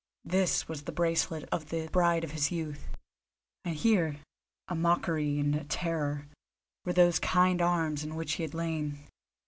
This was the bracelet of the bride of his youth, and here, a mockery and a terror, were those kind arms in which he had lain.